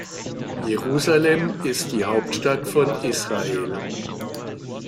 Jerusalem ist die Hauptstadt von Israel.